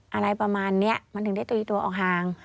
อะไรประมาณนี้มันถึงได้ตีตัวออกห่าง